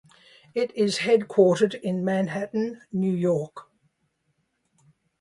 It is headquartered in Manhattan, New York.